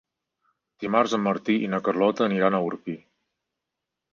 Dimarts en Martí i na Carlota aniran a Orpí.